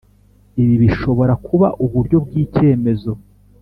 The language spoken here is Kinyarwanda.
Ibi bishobora kuba uburyo bw icyemezo